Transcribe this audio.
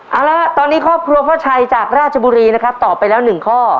เอาละตอนนี้ข้อพลัวพ่อชัยจากราชบุรีนะครับต่อไปแล้วหนึ่งข้อ